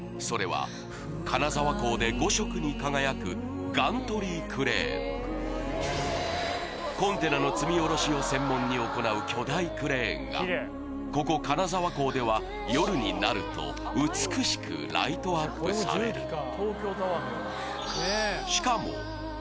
それは金沢港で５色に輝くガントリークレーンコンテナの積み降ろしを専門に行う巨大クレーンがここ金沢港では夜になると美しくライトアップされる